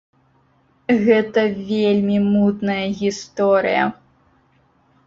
Гэта вельмі мутная гісторыя!